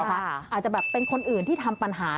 อาจจะแบบเป็นคนอื่นที่ทำปัญหา